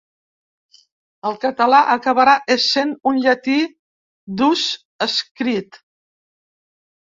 El català acabarà essent un llatí, d’ús escrit.